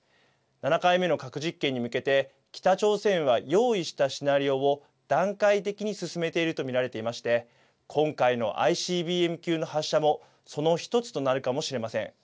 ７回目の核実験に向けて北朝鮮は用意したシナリオを段階的に進めていると見られていまして今回のＩＣＢＭ級の発射もその１つとなるかもしれません。